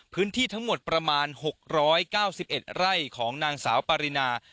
พื้นที่ทั้งหมดประมาณ๖๙๑ไร่ของนางสาวปารินา